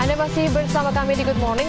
anda masih bersama kami di good morning